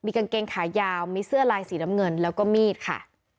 กางเกงขายาวมีเสื้อลายสีน้ำเงินแล้วก็มีดค่ะ